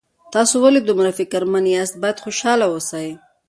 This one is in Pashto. تاسو ولې دومره فکرمن یاست باید خوشحاله اوسئ